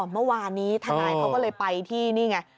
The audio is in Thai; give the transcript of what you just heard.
เมื่อวานนี้ทนายเขาก็เลยไปที่นี่ไง